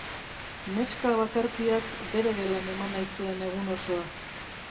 Neska bakartiak bere gelan eman nahi zuen egun osoa.